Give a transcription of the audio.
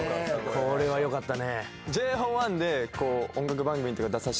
これはよかったね。